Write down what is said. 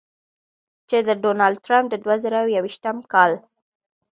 چې د ډونالډ ټرمپ د دوه زره یویشتم کال